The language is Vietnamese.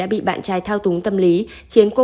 bị bạn trai thao túng tâm lý khiến cô